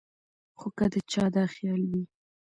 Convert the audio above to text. خو کۀ د چا دا خيال وي